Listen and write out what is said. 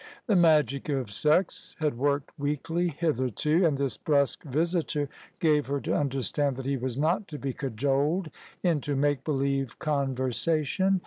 The magic of sex had worked weakly hitherto, and this brusque visitor gave her to understand that he was not to be cajoled into make believe conversation.